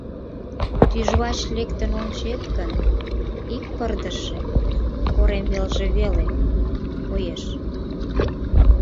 Тӱжвач лектын ончет гын, ик пырдыжше, корем велже веле, коеш.